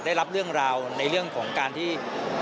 ได้รับเรื่องราวในเรื่องของการที่